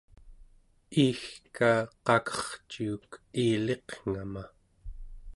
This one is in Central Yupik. iigka qakerciuk iiliqngama